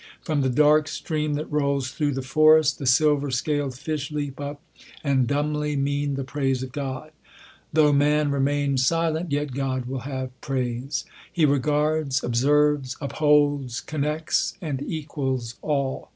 From the dark stream that rolls through the forest, the silver scaled fish leap up, and dumbly mean the praise of God. Though man remain silent, yet God will have praise. He regards, observes; upholds, connects, and equals all.